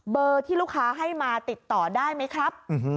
ที่ลูกค้าให้มาติดต่อได้ไหมครับ